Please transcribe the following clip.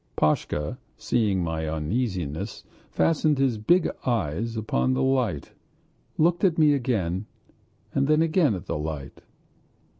Pashka, seeing my uneasiness, fastened his big eyes upon the light, looked at me again, then again at the light....